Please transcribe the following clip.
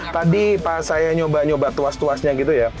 tadi pas saya nyoba nyoba tua tuas tua tuasnya gitu ya